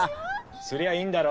すりゃあいいんだろ！